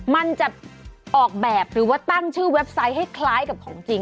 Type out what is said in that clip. มันจะออกแบบหรือว่าตั้งชื่อเว็บไซต์ให้คล้ายกับของจริง